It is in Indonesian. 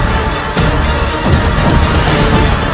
saya harus memeluh orang colombian